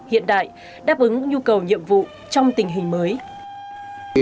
hiện đại đáp ứng nhu cầu nhiệm vụ trong tình hình mới